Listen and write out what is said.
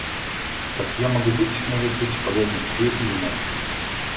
Там я могу быть, может быть, полезна тебе и ему.